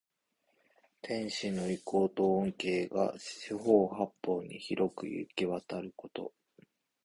天子の威光と恩恵が四方八方に広くゆきわたること。